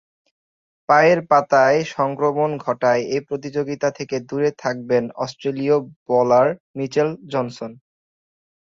পায়ের পাতায় সংক্রমণ ঘটায় এ প্রতিযোগিতা থেকে দূরে থাকবেন অস্ট্রেলীয় বোলার মিচেল জনসন।